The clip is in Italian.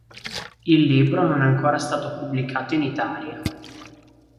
Il libro non è ancora stato pubblicato in Italia.